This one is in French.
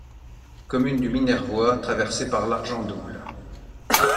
Commune du Minervois, traversée par l'Argent-Double.